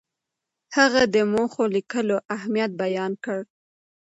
هغه د موخو لیکلو اهمیت بیان کړ.